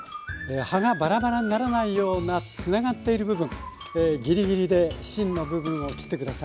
葉がバラバラにならないようなつながっている部分ギリギリで芯の部分を切って下さい。